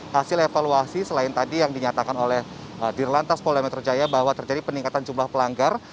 hasil evaluasi selain tadi yang dinyatakan oleh dirlantas polda metro jaya bahwa terjadi peningkatan jumlah pelanggar